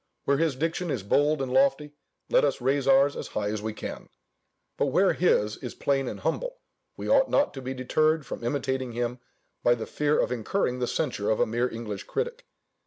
Where his diction is bold and lofty, let us raise ours as high as we can; but where his is plain and humble, we ought not to be deterred from imitating him by the fear of incurring the censure of a mere English critic.